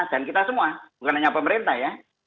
dan kita semua bukan hanya pemerintah ya